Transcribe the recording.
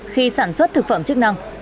khi sản xuất thực phẩm chức năng